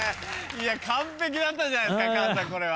完璧だったじゃないですか菅さんこれは。